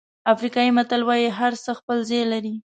افریقایي متل وایي هرڅه خپل ځای لري.